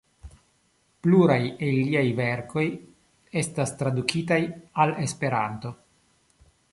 Pluraj el liaj verkoj estas tradukitaj al Esperanto.